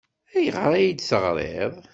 Ayɣer ay iyi-d-teɣriḍ?